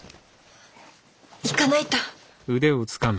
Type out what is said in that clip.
行かないと。